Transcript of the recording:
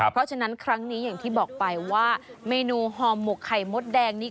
เพราะฉะนั้นครั้งนี้อย่างที่บอกไปว่าเมนูห่อหมกไข่มดแดงนี้